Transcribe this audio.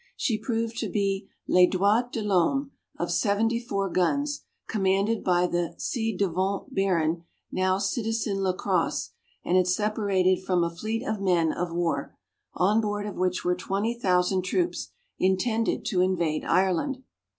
She proved to be les Droits de L'Homme, of 74 guns, commanded by the ci devant baron, now citizen La Crosse, and had separated from a fleet of men of war, on board of which were twenty thousand troops, intended to invade Ireland.